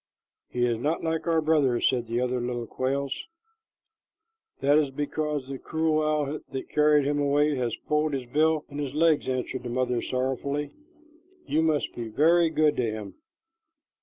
"He is not like our brother," said the other little quails. "That is because the cruel owl that carried him away has pulled his bill and his legs," answered the mother sorrowfully. "You must be very good to him."